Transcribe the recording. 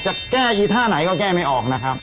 จะแก้อีท่าไหนก็แก้ไม่ออกนะครับ